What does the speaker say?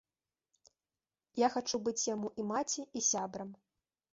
Я хачу быць яму і маці, і сябрам.